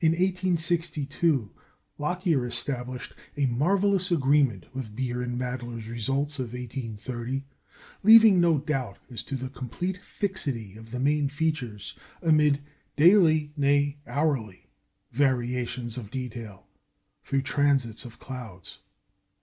In 1862 Lockyer established a "marvellous agreement" with Beer and Mädler's results of 1830, leaving no doubt as to the complete fixity of the main features, amid "daily, nay, hourly," variations of detail through transits of clouds.